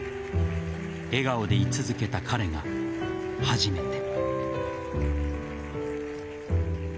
笑顔でい続けた彼が初めて。